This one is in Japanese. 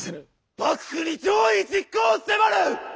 幕府に攘夷実行を迫る！